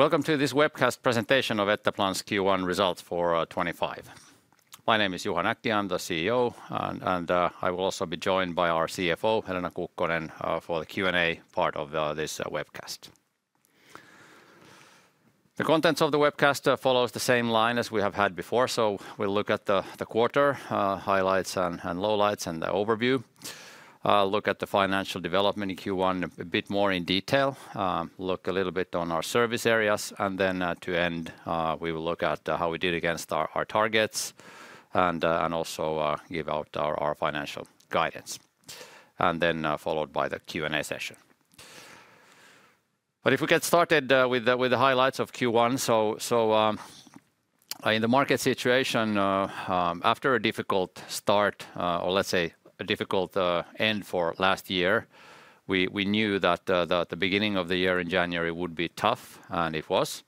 Welcome to this webcast presentation of Etteplan's Q1 results for 2025. My name is Juha Näkki, I'm the CEO, and I will also be joined by our CFO, Helena Kukkonen, for the Q&A part of this webcast. The contents of the webcast follow the same line as we have had before, so we'll look at the quarter highlights and lowlights and the overview. Look at the financial development in Q1 a bit more in detail, look a little bit on our service areas, and then to end, we will look at how we did against our targets and also give out our financial guidance, and then followed by the Q&A session. If we get started with the highlights of Q1, in the market situation, after a difficult start, or let's say a difficult end for last year, we knew that the beginning of the year in January would be tough, and it was.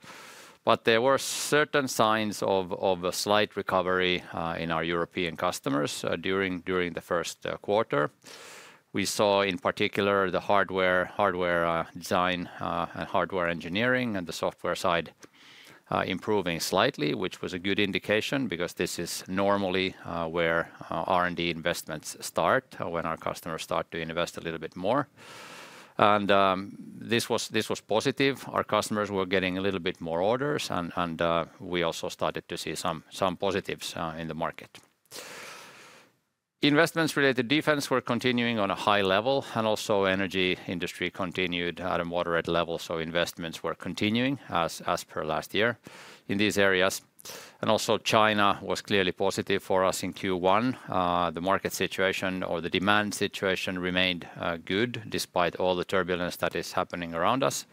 There were certain signs of a slight recovery in our European customers during the first quarter. We saw in particular the hardware design and hardware engineering and the software side improving slightly, which was a good indication because this is normally where R&D investments start when our customers start to invest a little bit more. This was positive. Our customers were getting a little bit more orders, and we also started to see some positives in the market. Investments related to defense were continuing on a high level, and also the energy industry continued at a moderate level, so investments were continuing as per last year in these areas. Also, China was clearly positive for us in Q1. The market situation or the demand situation remained good despite all the turbulence that is happening around us.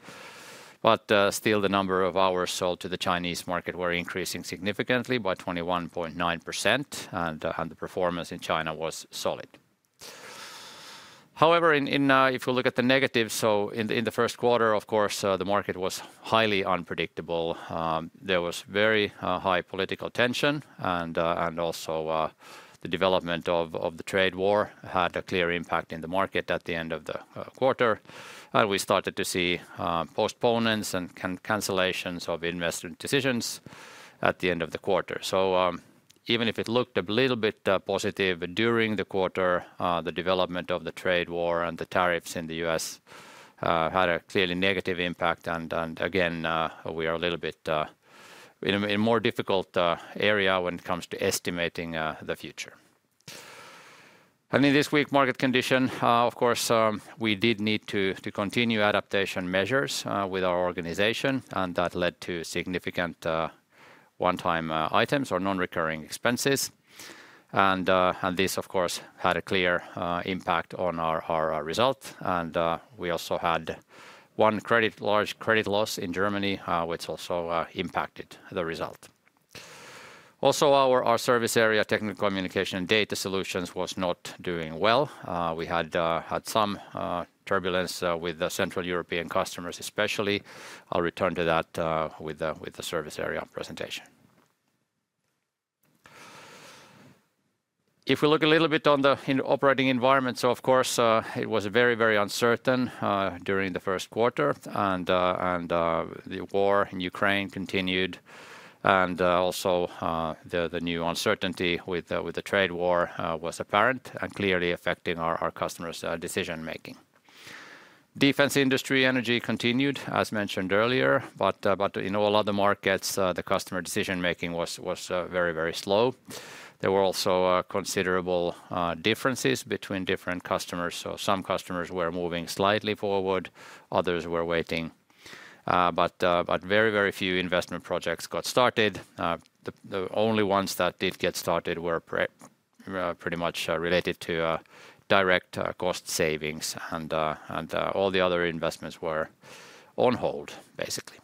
Still, the number of hours sold to the Chinese market were increasing significantly by 21.9%, and the performance in China was solid. However, if we look at the negatives, in the first quarter, of course, the market was highly unpredictable. There was very high political tension, and also the development of the trade war had a clear impact in the market at the end of the quarter. We started to see postponements and cancellations of investment decisions at the end of the quarter. Even if it looked a little bit positive during the quarter, the development of the trade war and the tariffs in the U.S. had a clearly negative impact. We are a little bit in a more difficult area when it comes to estimating the future. In this weak market condition, of course, we did need to continue adaptation measures with our organization, and that led to significant one-time items or non-recurring expenses. This, of course, had a clear impact on our result. We also had one large credit loss in Germany, which also impacted the result. Also, our service area, Technical Communication and Data Solutions, was not doing well. We had some turbulence with the Central European customers especially. I will return to that with the service area presentation. If we look a little bit on the operating environment, of course, it was very, very uncertain during the first quarter, and the war in Ukraine continued, and also the new uncertainty with the trade war was apparent and clearly affecting our customers' decision-making. Defense industry energy continued, as mentioned earlier, but in all other markets, the customer decision-making was very, very slow. There were also considerable differences between different customers, so some customers were moving slightly forward, others were waiting. Very, very few investment projects got started. The only ones that did get started were pretty much related to direct cost savings, and all the other investments were on hold, basically.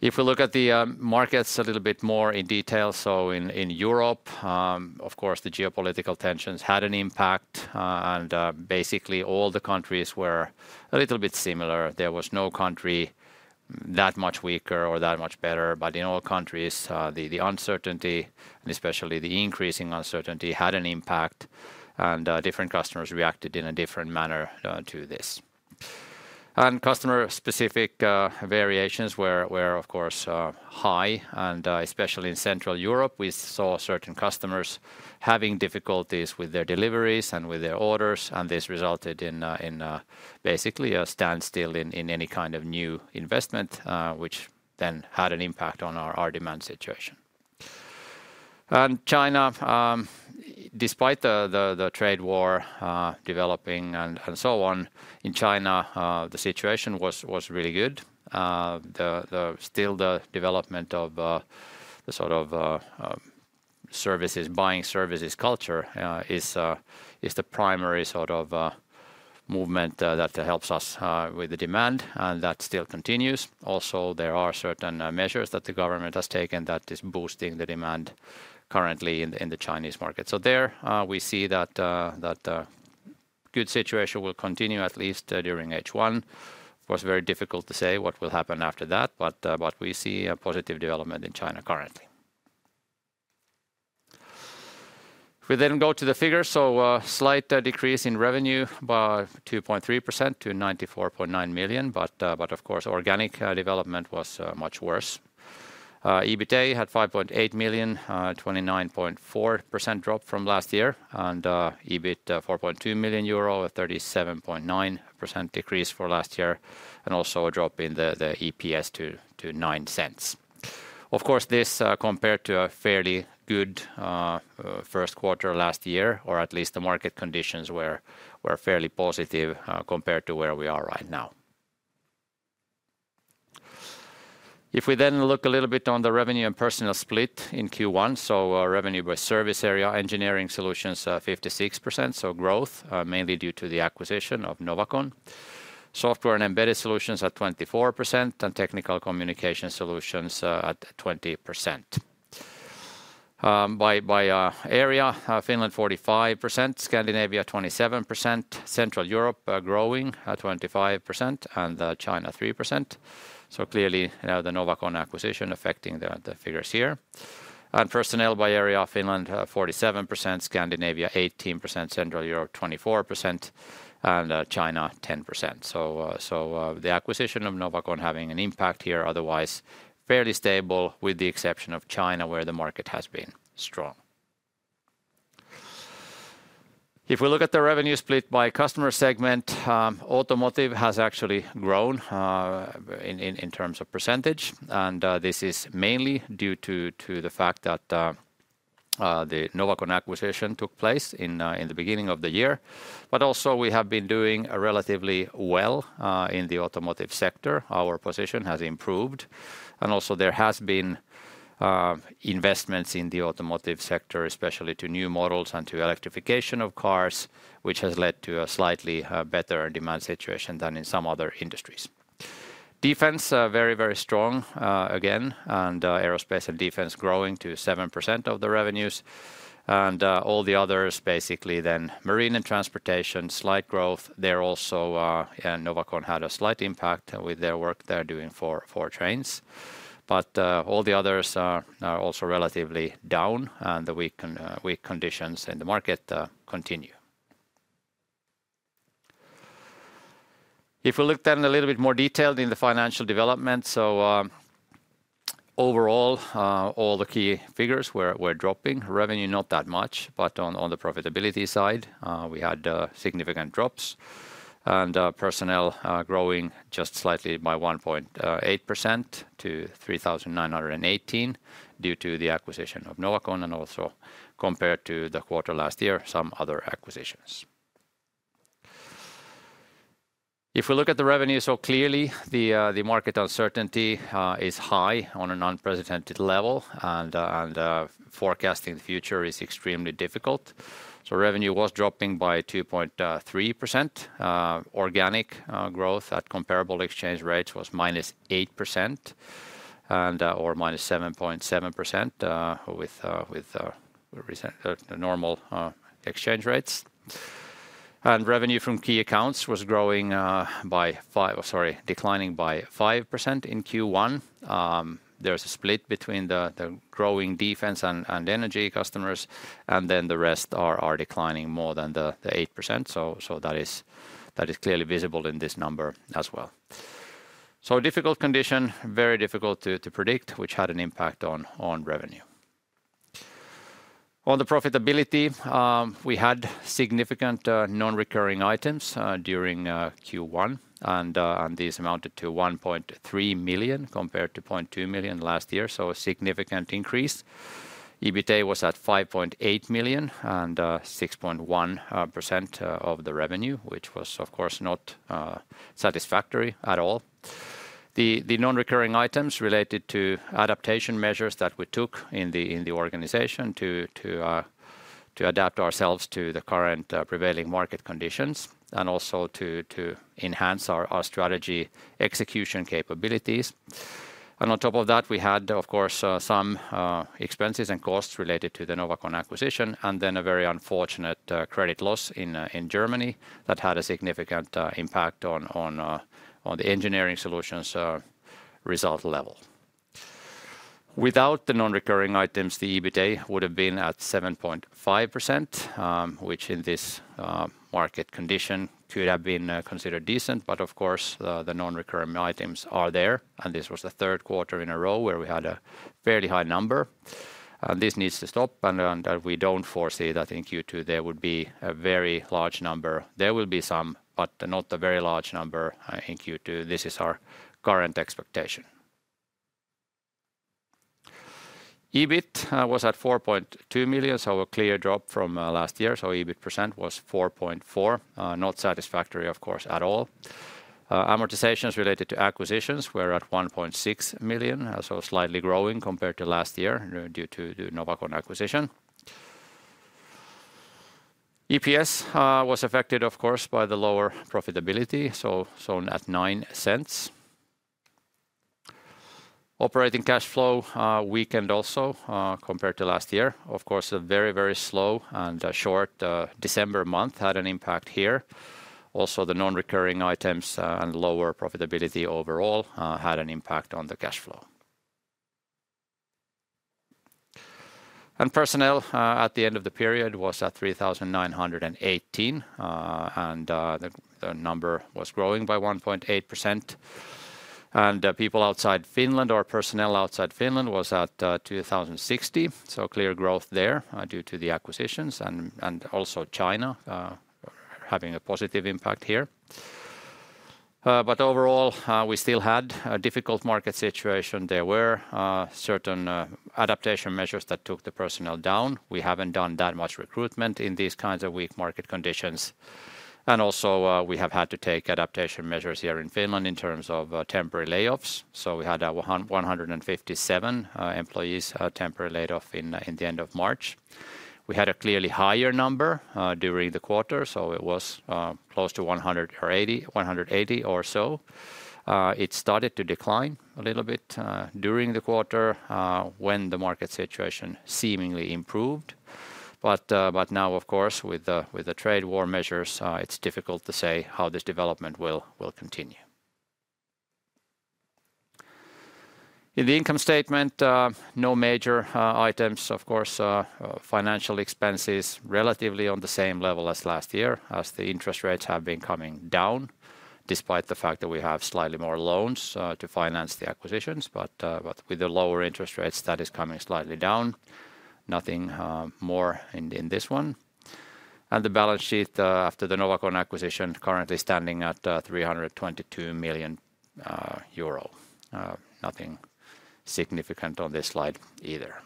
If we look at the markets a little bit more in detail, in Europe, of course, the geopolitical tensions had an impact, and basically all the countries were a little bit similar. There was no country that much weaker or that much better, but in all countries, the uncertainty, and especially the increasing uncertainty, had an impact, and different customers reacted in a different manner to this. Customer-specific variations were, of course, high, especially in Central Europe. We saw certain customers having difficulties with their deliveries and with their orders, and this resulted in basically a standstill in any kind of new investment, which then had an impact on our demand situation. In China, despite the trade war developing and so on, in China, the situation was really good. Still, the development of the sort of services, buying services culture is the primary sort of movement that helps us with the demand, and that still continues. Also, there are certain measures that the government has taken that is boosting the demand currently in the Chinese market. There we see that good situation will continue at least during H1. It was very difficult to say what will happen after that, but we see a positive development in China currently. If we then go to the figures, a slight decrease in revenue by 2.3% to 94.9 million, but of course, organic development was much worse. EBITDA had 5.8 million, a 29.4% drop from last year, and EBIT 4.2 million euro, a 37.9% decrease for last year, and also a drop in the EPS to 0.09. Of course, this compared to a fairly good first quarter last year, or at least the market conditions were fairly positive compared to where we are right now. If we then look a little bit on the revenue and personal split in Q1, revenue by service area, Engineering Solutions 56%, so growth mainly due to the acquisition of Novacon. Software and Embedded Solutions at 24% and Technical Communication Solutions at 20%. By area, Finland 45%, Scandinavia 27%, Central Europe growing 25%, and China 3%. Clearly, the Novacon acquisition affecting the figures here. Personnel by area, Finland 47%, Scandinavia 18%, Central Europe 24%, and China 10%. The acquisition of Novacon having an impact here, otherwise fairly stable with the exception of China where the market has been strong. If we look at the revenue split by customer segment, automotive has actually grown in terms of percentage, and this is mainly due to the fact that the Novacon acquisition took place in the beginning of the year. Also, we have been doing relatively well in the automotive sector. Our position has improved, and also there has been investments in the automotive sector, especially to new models and to electrification of cars, which has led to a slightly better demand situation than in some other industries. Defense very, very strong again, and aerospace and defense growing to 7% of the revenues. All the others basically then marine and transportation, slight growth. There also Novacon had a slight impact with their work they're doing for trains. All the others are also relatively down, and the weak conditions in the market continue. If we look then a little bit more detailed in the financial development, overall all the key figures were dropping. Revenue not that much, but on the profitability side we had significant drops, and personnel growing just slightly by 1.8% to 3,918 due to the acquisition of Novacon and also compared to the quarter last year, some other acquisitions. If we look at the revenue, clearly the market uncertainty is high on an unprecedented level, and forecasting the future is extremely difficult. Revenue was dropping by 2.3%. Organic growth at comparable exchange rates was -8% or -7.7% with normal exchange rates. Revenue from key accounts was growing by declining by 5% in Q1. There's a split between the growing defense and energy customers, and then the rest are declining more than the 8%. That is clearly visible in this number as well. Difficult condition, very difficult to predict, which had an impact on revenue. On the profitability, we had significant non-recurring items during Q1, and these amounted to 1.3 million compared to 0.2 million last year, so a significant increase. EBITDA was at 5.8 million and 6.1% of the revenue, which was of course not satisfactory at all. The non-recurring items related to adaptation measures that we took in the organization to adapt ourselves to the current prevailing market conditions and also to enhance our strategy execution capabilities. On top of that, we had of course some expenses and costs related to the Novacon acquisition, and then a very unfortunate credit loss in Germany that had a significant impact on the Engineering Solutions result level. Without the non-recurring items, the EBITDA would have been at 7.5%, which in this market condition could have been considered decent, but of course the non-recurring items are there, and this was the third quarter in a row where we had a fairly high number. This needs to stop, and we do not foresee that in Q2 there would be a very large number. There will be some, but not a very large number in Q2. This is our current expectation. EBIT was at 4.2 million, so a clear drop from last year, so EBIT% was 4.4%, not satisfactory of course at all. Amortizations related to acquisitions were at 1.6 million, so slightly growing compared to last year due to the Novacon acquisition. EPS was affected of course by the lower profitability, so at 0.09. Operating cash flow weakened also compared to last year. Of course, a very, very slow and short December month had an impact here. Also, the non-recurring items and lower profitability overall had an impact on the cash flow. Personnel at the end of the period was at 3,918, and the number was growing by 1.8%. People outside Finland or personnel outside Finland was at 2,060, so clear growth there due to the acquisitions and also China having a positive impact here. Overall, we still had a difficult market situation. There were certain adaptation measures that took the personnel down. We haven't done that much recruitment in these kinds of weak market conditions. Also, we have had to take adaptation measures here in Finland in terms of temporary layoffs. We had 157 employees temporarily laid off in the end of March. We had a clearly higher number during the quarter, so it was close to 180 or so. It started to decline a little bit during the quarter when the market situation seemingly improved. Now, of course, with the trade war measures, it's difficult to say how this development will continue. In the income statement, no major items. Of course, financial expenses relatively on the same level as last year as the interest rates have been coming down despite the fact that we have slightly more loans to finance the acquisitions. With the lower interest rates, that is coming slightly down. Nothing more in this one. The balance sheet after the Novacon acquisition currently standing at 322 million euro. Nothing significant on this slide either.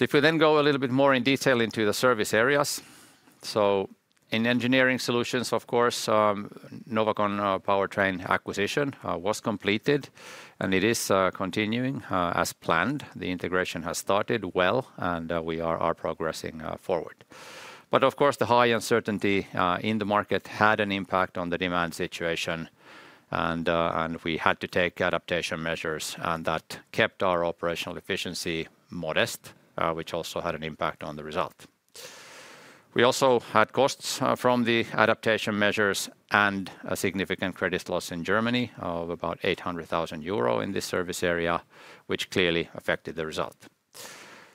If we then go a little bit more in detail into the service areas. In Engineering Solutions, of course, the Novacon Powertrain acquisition was completed and it is continuing as planned. The integration has started well and we are progressing forward. Of course, the high uncertainty in the market had an impact on the demand situation and we had to take adaptation measures and that kept our operational efficiency modest, which also had an impact on the result. We also had costs from the adaptation measures and a significant credit loss in Germany of about 800,000 euro in this service area, which clearly affected the result.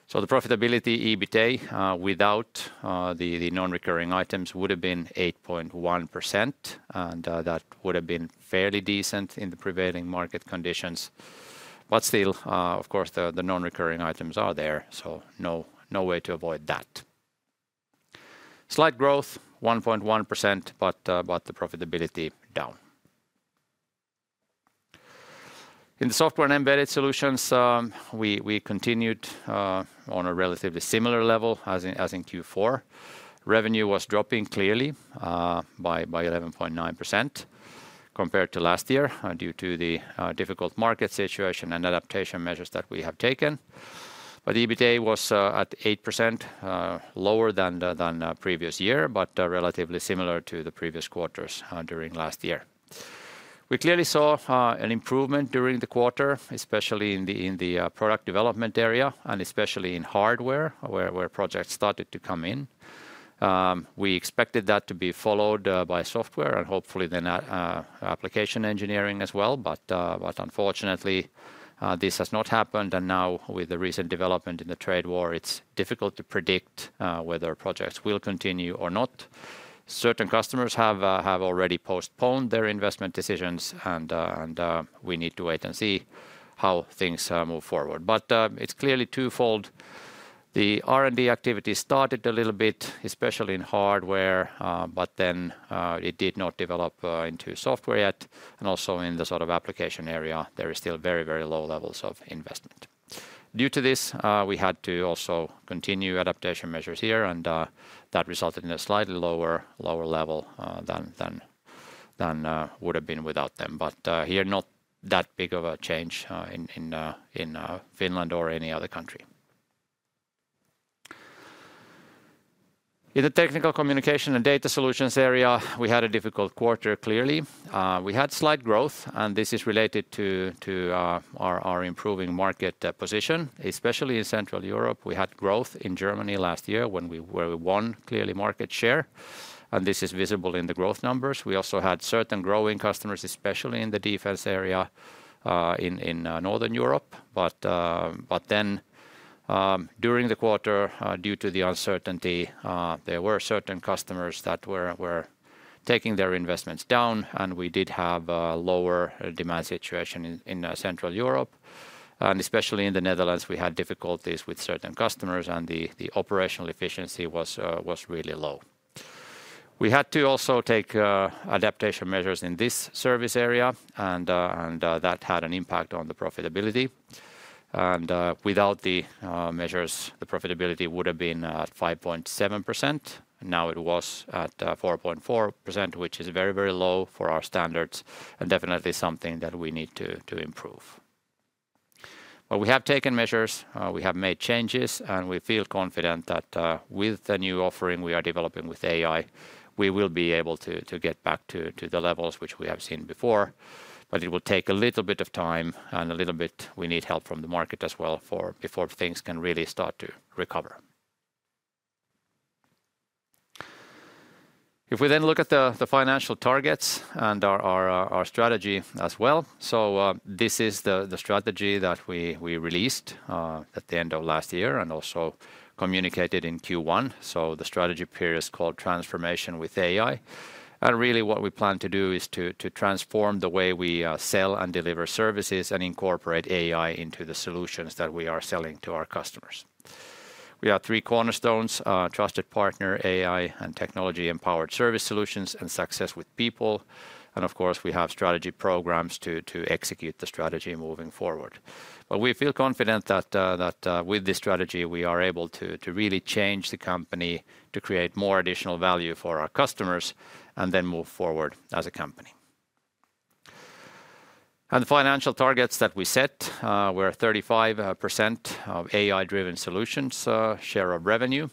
The profitability EBITDA without the non-recurring items would have been 8.1% and that would have been fairly decent in the prevailing market conditions. Still, of course, the non-recurring items are there, so no way to avoid that. Slight growth, 1.1%, but the profitability down. In the Software and Embedded Solutions, we continued on a relatively similar level as in Q4. Revenue was dropping clearly by 11.9% compared to last year due to the difficult market situation and adaptation measures that we have taken. But EBITDA was at 8%, lower than previous year, but relatively similar to the previous quarters during last year. We clearly saw an improvement during the quarter, especially in the product development area and especially in hardware where projects started to come in. We expected that to be followed by software and hopefully then application engineering as well, but unfortunately this has not happened. Now with the recent development in the trade war, it's difficult to predict whether projects will continue or not. Certain customers have already postponed their investment decisions and we need to wait and see how things move forward. It's clearly twofold. The R&D activity started a little bit, especially in hardware, but then it did not develop into software yet. Also in the sort of application area, there is still very, very low levels of investment. Due to this, we had to also continue adaptation measures here and that resulted in a slightly lower level than would have been without them. Here, not that big of a change in Finland or any other country. In the Technical Communication and Data Solutions area, we had a difficult quarter clearly. We had slight growth and this is related to our improving market position, especially in Central Europe. We had growth in Germany last year when we won clearly market share, and this is visible in the growth numbers. We also had certain growing customers, especially in the defense area in Northern Europe. During the quarter, due to the uncertainty, there were certain customers that were taking their investments down, and we did have a lower demand situation in Central Europe. Especially in the Netherlands, we had difficulties with certain customers, and the operational efficiency was really low. We had to also take adaptation measures in this service area, and that had an impact on the profitability. Without the measures, the profitability would have been at 5.7%. Now it was at 4.4%, which is very, very low for our standards and definitely something that we need to improve. We have taken measures, we have made changes, and we feel confident that with the new offering we are developing with AI, we will be able to get back to the levels which we have seen before. It will take a little bit of time and a little bit we need help from the market as well before things can really start to recover. If we then look at the financial targets and our strategy as well, this is the strategy that we released at the end of last year and also communicated in Q1. The strategy period is called Transformation with AI. What we plan to do is to transform the way we sell and deliver services and incorporate AI into the solutions that we are selling to our customers. We have three cornerstones: trusted partner, AI and technology empowered service solutions, and success with people. Of course, we have strategy programs to execute the strategy moving forward. We feel confident that with this strategy, we are able to really change the company to create more additional value for our customers and then move forward as a company. The financial targets that we set were 35% of AI-driven solutions share of revenue.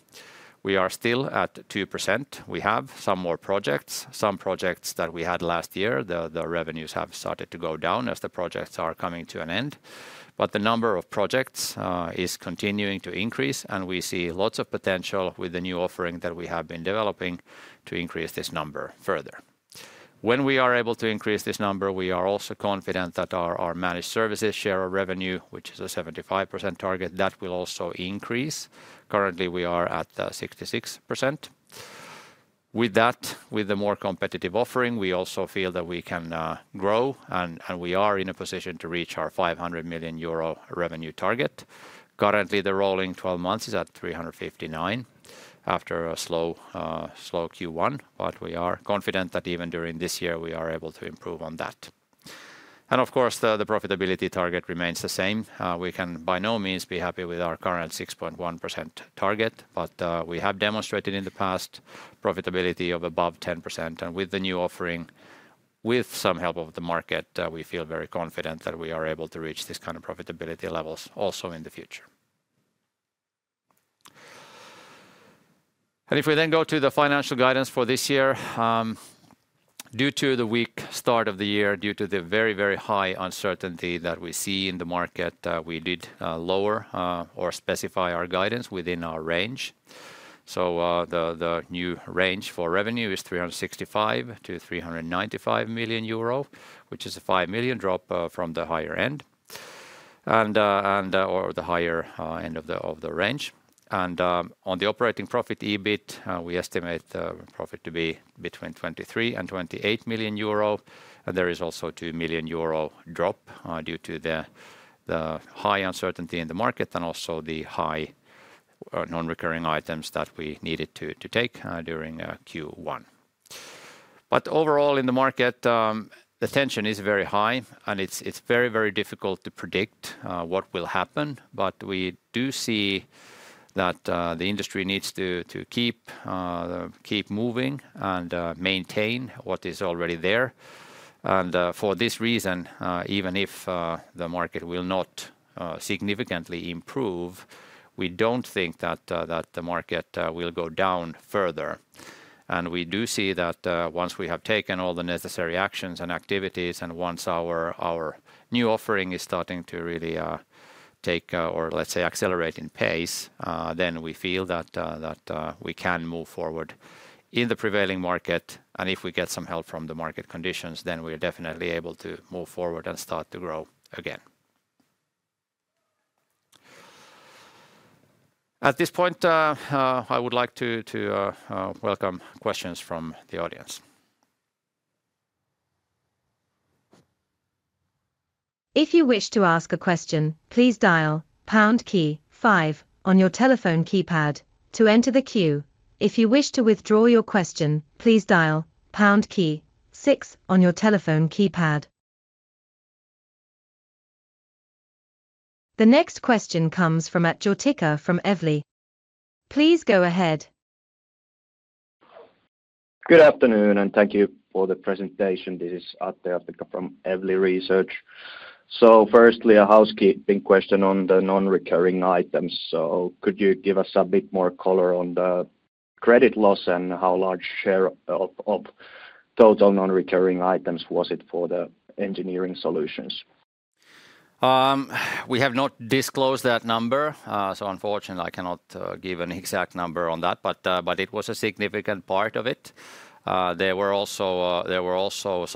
We are still at 2%. We have some more projects. Some projects that we had last year, the revenues have started to go down as the projects are coming to an end. The number of projects is continuing to increase, and we see lots of potential with the new offering that we have been developing to increase this number further. When we are able to increase this number, we are also confident that our managed services share of revenue, which is a 75% target, will also increase. Currently, we are at 66%. With that, with the more competitive offering, we also feel that we can grow and we are in a position to reach our 500 million euro revenue target. Currently, the rolling 12 months is at 359 million after a slow Q1, but we are confident that even during this year we are able to improve on that. Of course, the profitability target remains the same. We can by no means be happy with our current 6.1% target, but we have demonstrated in the past profitability of above 10%. With the new offering, with some help of the market, we feel very confident that we are able to reach this kind of profitability levels also in the future. If we then go to the financial guidance for this year, due to the weak start of the year, due to the very, very high uncertainty that we see in the market, we did lower or specify our guidance within our range. The new range for revenue is 365 million-395 million euro, which is a 5 million drop from the higher end or the higher end of the range. On the operating profit EBIT, we estimate profit to be between 23 million and 28 million euro. There is also a 2 million euro drop due to the high uncertainty in the market and also the high non-recurring items that we needed to take during Q1. Overall in the market, the tension is very high and it's very, very difficult to predict what will happen. We do see that the industry needs to keep moving and maintain what is already there. For this reason, even if the market will not significantly improve, we do not think that the market will go down further. We do see that once we have taken all the necessary actions and activities and once our new offering is starting to really take or let's say accelerate in pace, we feel that we can move forward in the prevailing market. If we get some help from the market conditions, we are definitely able to move forward and start to grow again. At this point, I would like to welcome questions from the audience. If you wish to ask a question, please dial pound key five on your telephone keypad to enter the queue. If you wish to withdraw your question, please dial pound key six on your telephone keypad. The next question comes from Atte Joki from Evli. Please go ahead. Good afternoon and thank you for the presentation. This is Atte Joki from Evli Research. Firstly, a housekeeping question on the non-recurring items. Could you give us a bit more color on the credit loss and how large share of total non-recurring items was it for the Engineering Solutions? We have not disclosed that number, so unfortunately I cannot give an exact number on that, but it was a significant part of it. There were also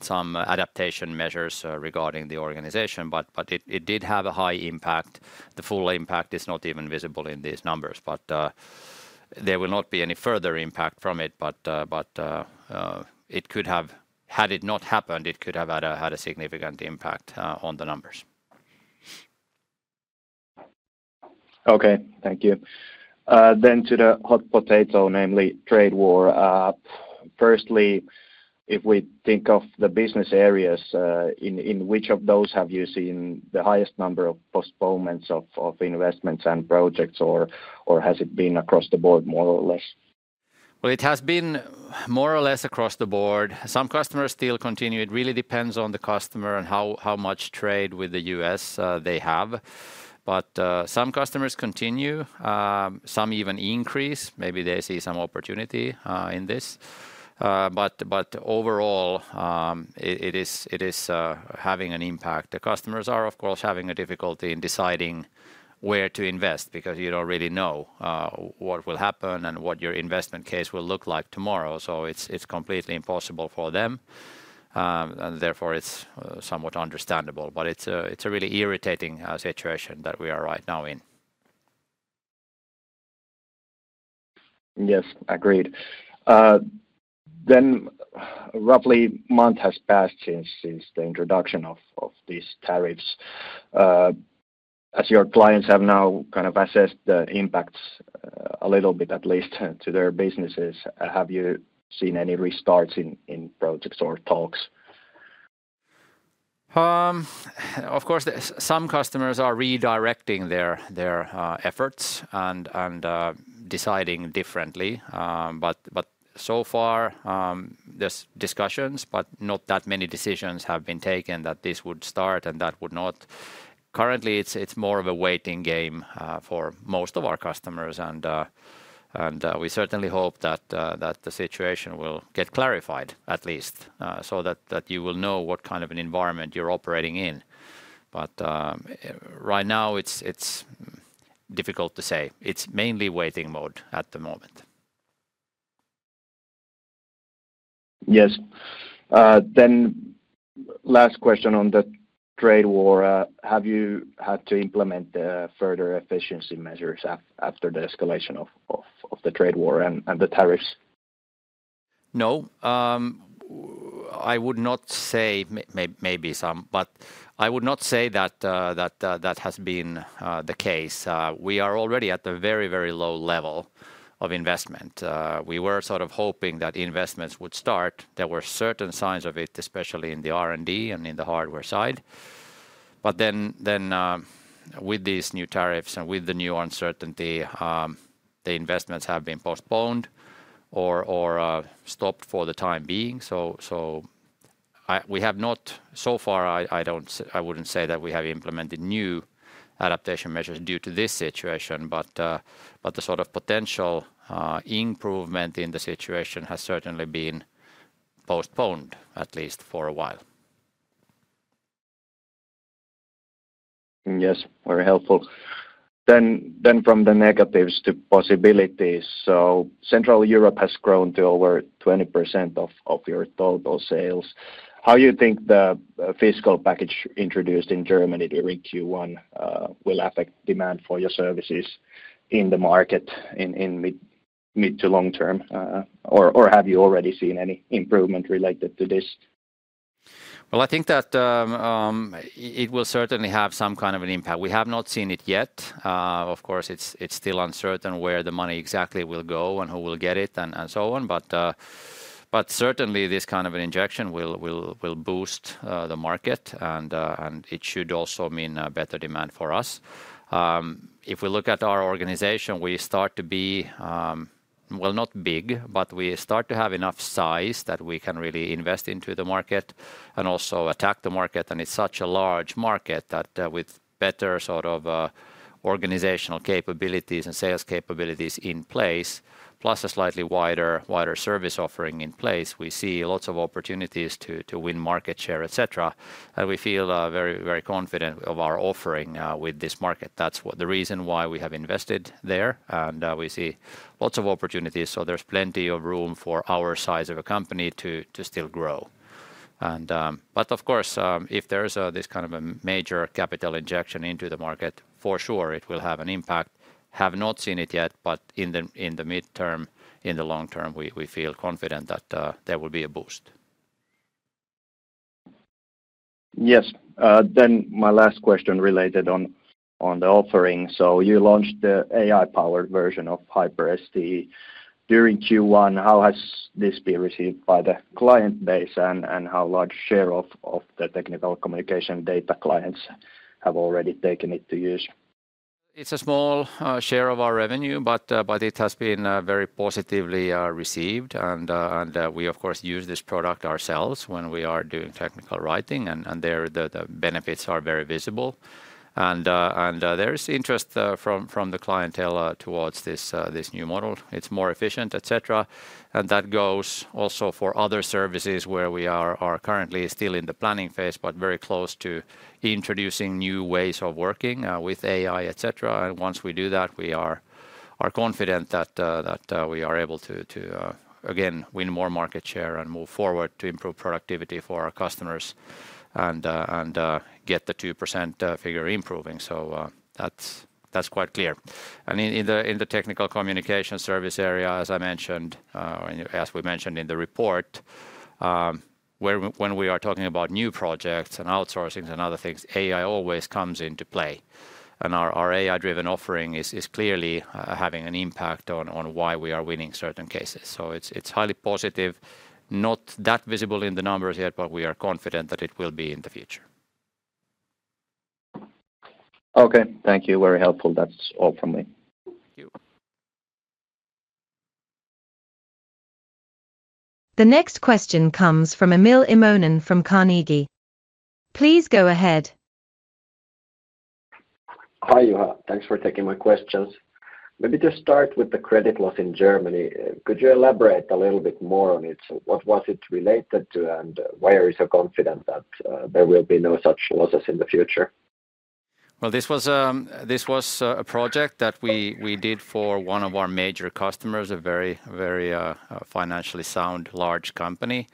some adaptation measures regarding the organization, but it did have a high impact. The full impact is not even visible in these numbers, but there will not be any further impact from it. It could have, had it not happened, it could have had a significant impact on the numbers. Okay, thank you. To the hot potato, namely trade war. Firstly, if we think of the business areas, in which of those have you seen the highest number of postponements of investments and projects, or has it been across the board more or less? It has been more or less across the board. Some customers still continue. It really depends on the customer and how much trade with the U.S. they have. Some customers continue, some even increase. Maybe they see some opportunity in this. Overall, it is having an impact. The customers are, of course, having a difficulty in deciding where to invest because you do not really know what will happen and what your investment case will look like tomorrow. It's completely impossible for them, and therefore it's somewhat understandable. It's a really irritating situation that we are right now in. Yes, agreed. Roughly a month has passed since the introduction of these tariffs. As your clients have now kind of assessed the impacts a little bit, at least to their businesses, have you seen any restarts in projects or talks? Of course, some customers are redirecting their efforts and deciding differently. So far, there's discussions, but not that many decisions have been taken that this would start and that would not. Currently, it's more of a waiting game for most of our customers, and we certainly hope that the situation will get clarified at least so that you will know what kind of an environment you're operating in. Right now, it's difficult to say. It's mainly waiting mode at the moment. Yes. Last question on the trade war. Have you had to implement further efficiency measures after the escalation of the trade war and the tariffs? No. I would not say, maybe some, but I would not say that that has been the case. We are already at a very, very low level of investment. We were sort of hoping that investments would start. There were certain signs of it, especially in the R&D and in the hardware side. With these new tariffs and with the new uncertainty, the investments have been postponed or stopped for the time being. We have not, so far, I would not say that we have implemented new adaptation measures due to this situation, but the sort of potential improvement in the situation has certainly been postponed at least for a while. Yes, very helpful. From the negatives to possibilities, Central Europe has grown to over 20% of your total sales. How do you think the fiscal package introduced in Germany during Q1 will affect demand for your services in the market in mid to long term, or have you already seen any improvement related to this? I think that it will certainly have some kind of an impact. We have not seen it yet. Of course, it is still uncertain where the money exactly will go and who will get it and so on. Certainly, this kind of an injection will boost the market, and it should also mean better demand for us. If we look at our organization, we start to be, not big, but we start to have enough size that we can really invest into the market and also attack the market. It is such a large market that with better sort of organizational capabilities and sales capabilities in place, plus a slightly wider service offering in place, we see lots of opportunities to win market share, etc. We feel very, very confident of our offering with this market. That is the reason why we have invested there, and we see lots of opportunities. There is plenty of room for our size of a company to still grow. Of course, if there is this kind of a major capital injection into the market, for sure it will have an impact. Have not seen it yet, but in the midterm, in the long term, we feel confident that there will be a boost. Yes. My last question related on the offering. You launched the AI-powered version of HyperSTE during Q1. How has this been received by the client base, and how large a share of the technical communication data clients have already taken it to use? It is a small share of our revenue, but it has been very positively received. We, of course, use this product ourselves when we are doing technical writing, and the benefits are very visible. There is interest from the clientele towards this new model. It is more efficient, etc. That goes also for other services where we are currently still in the planning phase, but very close to introducing new ways of working with AI, etc. Once we do that, we are confident that we are able to, again, win more market share and move forward to improve productivity for our customers and get the 2% figure improving. That is quite clear. In the technical communication service area, as I mentioned, as we mentioned in the report, when we are talking about new projects and outsourcing and other things, AI always comes into play. Our AI-driven offering is clearly having an impact on why we are winning certain cases. It is highly positive, not that visible in the numbers yet, but we are confident that it will be in the future. Okay, thank you. Very helpful. That is all from me. The next question comes from Emil Immonen from Carnegie. Please go ahead. Hi Juha. Thanks for taking my questions. Maybe to start with the credit loss in Germany, could you elaborate a little bit more on it? What was it related to, and why are you so confident that there will be no such losses in the future? This was a project that we did for one of our major customers, a very financially sound large company.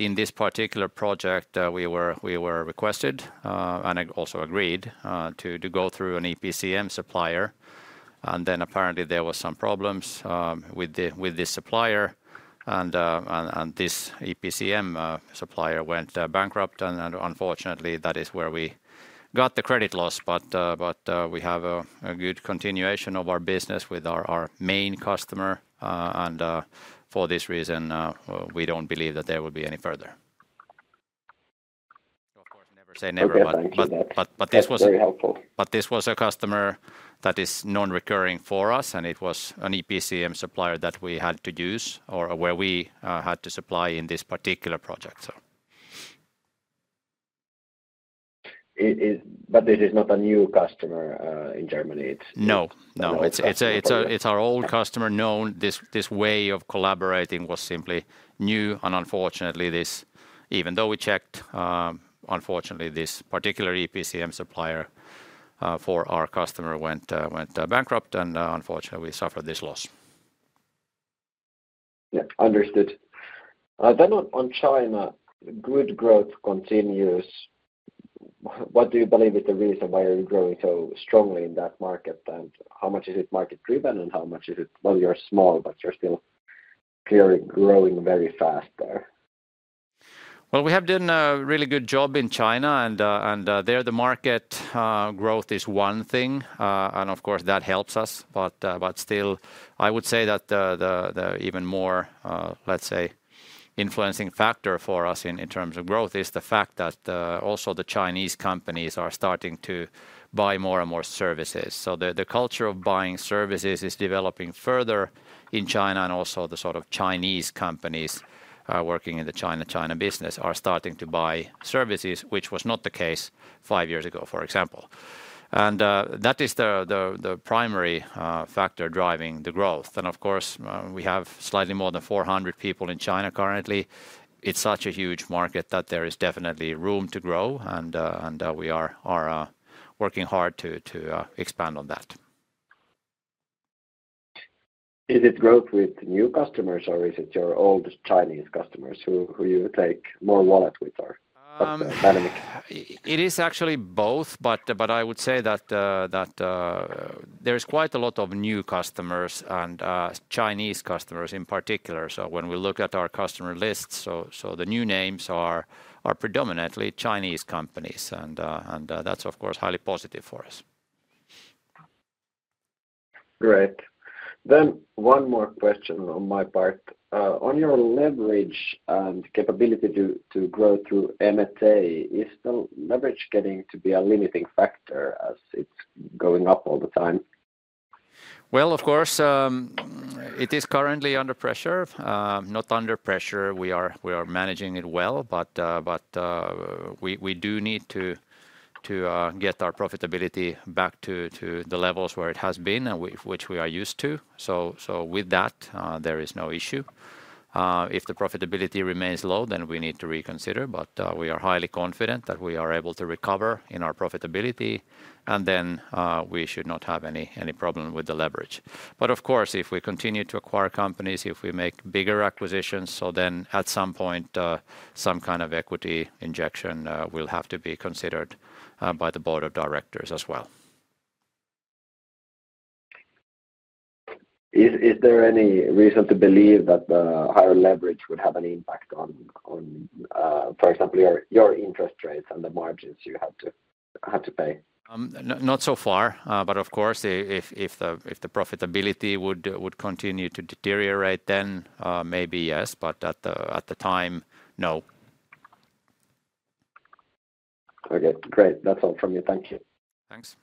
In this particular project, we were requested and also agreed to go through an EPCM supplier. Apparently, there were some problems with this supplier, and this EPCM supplier went bankrupt. Unfortunately, that is where we got the credit loss. We have a good continuation of our business with our main customer. For this reason, we do not believe that there will be any further. Of course, never say never, but this was a customer that is non-recurring for us, and it was an EPCM supplier that we had to use or where we had to supply in this particular project. This is not a new customer in Germany? No, no. It is our old customer. This way of collaborating was simply new. Unfortunately, even though we checked, this particular EPCM supplier for our customer went bankrupt, and unfortunately, we suffered this loss. Understood. On China, good growth continues. What do you believe is the reason why you're growing so strongly in that market, and how much is it market-driven, and how much is it? You are small, but you are still clearly growing very fast there. We have done a really good job in China, and there the market growth is one thing, and of course that helps us. Still, I would say that the even more, let's say, influencing factor for us in terms of growth is the fact that also the Chinese companies are starting to buy more and more services. The culture of buying services is developing further in China, and also the sort of Chinese companies working in the China-China business are starting to buy services, which was not the case five years ago, for example. That is the primary factor driving the growth. Of course, we have slightly more than 400 people in China currently. It is such a huge market that there is definitely room to grow, and we are working hard to expand on that. Is it growth with new customers, or is it your old Chinese customers who you take more wallet with or dynamic? It is actually both, but I would say that there is quite a lot of new customers and Chinese customers in particular. When we look at our customer list, the new names are predominantly Chinese companies, and that is of course highly positive for us. Great. One more question on my part. On your leverage and capability to grow through M&A, is the leverage getting to be a limiting factor as it's going up all the time? Of course, it is currently under pressure. Not under pressure. We are managing it well, but we do need to get our profitability back to the levels where it has been, which we are used to. With that, there is no issue. If the profitability remains low, then we need to reconsider. We are highly confident that we are able to recover in our profitability, and then we should not have any problem with the leverage. Of course, if we continue to acquire companies, if we make bigger acquisitions, at some point, some kind of equity injection will have to be considered by the board of directors as well. Is there any reason to believe that the higher leverage would have an impact on, for example, your interest rates and the margins you have to pay? Not so far. Of course, if the profitability would continue to deteriorate, then maybe yes, but at the time, no. Okay, great. That's all from me. Thank you. Thanks.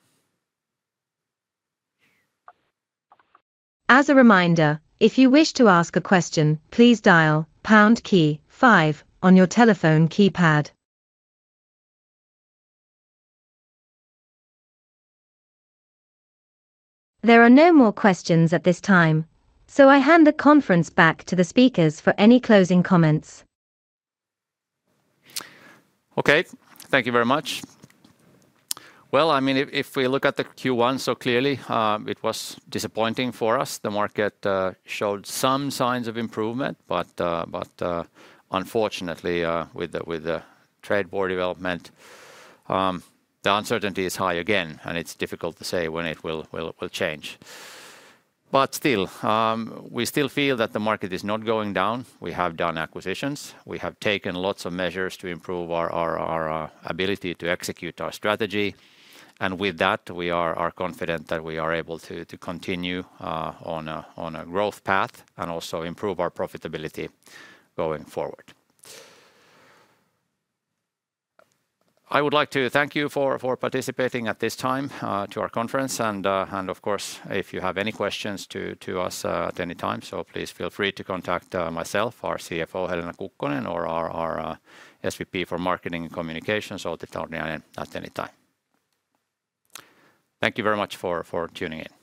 As a reminder, if you wish to ask a question, please dial pound key five on your telephone keypad. There are no more questions at this time, so I hand the conference back to the speakers for any closing comments. Thank you very much. I mean, if we look at the Q1, so clearly it was disappointing for us. The market showed some signs of improvement, but unfortunately, with the trade war development, the uncertainty is high again, and it's difficult to say when it will change. Still, we still feel that the market is not going down. We have done acquisitions. We have taken lots of measures to improve our ability to execute our strategy. With that, we are confident that we are able to continue on a growth path and also improve our profitability going forward. I would like to thank you for participating at this time to our conference. Of course, if you have any questions to us at any time, please feel free to contact myself, our CFO Helena Kukkonen, or our SVP for Marketing and Communications, Outi Torniainen, at any time. Thank you very much for tuning in.